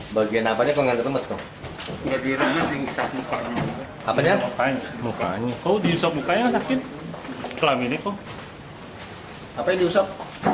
orang tuanya bahwa yang bersangkutan melakukan peremasan secara sengaja dan cukup menimbulkan efek